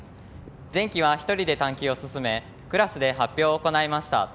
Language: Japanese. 前期は、１人で探求を進めクラスで発表を行いました。